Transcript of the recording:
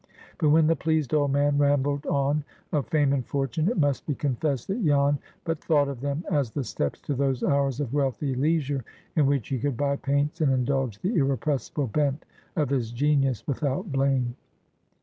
But, when the pleased old man rambled on of fame and fortune, it must be confessed that Jan but thought of them as the steps to those hours of wealthy leisure in which he could buy paints and indulge the irrepressible bent of his genius without blame.